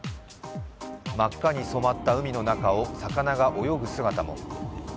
真っ赤に染まった海の中を魚が泳ぐ姿も。